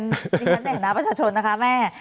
ดิฉันในฐานะประชาชนนะคะแม่